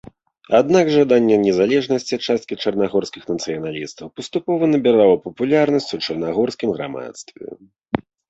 Аднак жаданне незалежнасці часткі чарнагорскіх нацыяналістаў паступова набірала папулярнасць у чарнагорскім грамадстве.